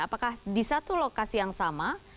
apakah di satu lokasi yang sama